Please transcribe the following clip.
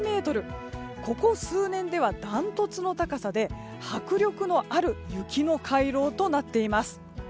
ここ数年では断トツの高さで迫力のある雪の回廊となっています。